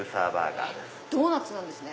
ドーナツなんですね。